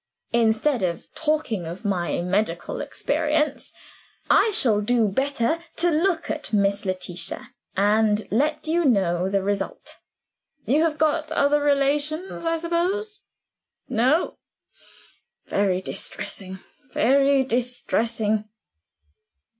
Instead of talking of my medical experience, I shall do better to look at Miss Letitia, and let you know the result. You have got other relations, I suppose? No? Very distressing very distressing."